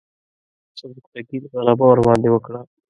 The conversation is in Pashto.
سبکتګین غلبه ورباندې وکړه.